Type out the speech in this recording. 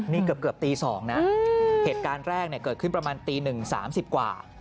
นี่เกือบตีสองนะเหตุการณ์แรกเกิดขึ้นประมาณตีหนึ่งสามสิบกว่า